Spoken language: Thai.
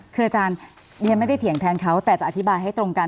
คืออาจารย์เรียนไม่ได้เถียงแทนเขาแต่จะอธิบายให้ตรงกัน